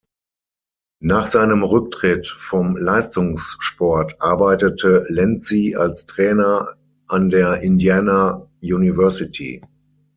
Nach seinem Rücktritt vom Leistungssport arbeitete Lenzi als Trainer an der Indiana University.